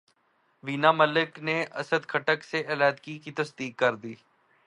وینا ملک نے اسد خٹک سے علیحدگی کی تصدیق کردی